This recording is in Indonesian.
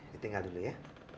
ditinggal dulu ya